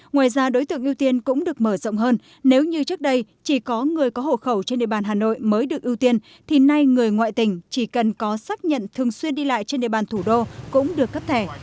ngoài ra đối tượng ưu tiên cũng được mở rộng hơn nếu như trước đây chỉ có người có hộ khẩu trên địa bàn hà nội mới được ưu tiên thì nay người ngoại tỉnh chỉ cần có xác nhận thường xuyên đi lại trên địa bàn thủ đô cũng được cấp thẻ